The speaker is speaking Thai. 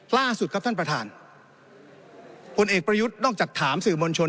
ล่าสุดครับท่านประธานผลเอกประยุทธ์นอกจากถามสื่อมวลชน